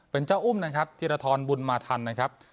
เป็นเจ้าอุ้มนะครับธีรทรบุญมาทันนะครับ